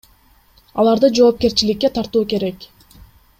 Аларды жоопкерчиликке тартуу керек.